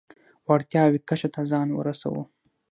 وړتیاوو کچه ته ځان ورسوو.